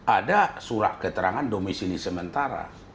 ada surat keterangan domisi ini sementara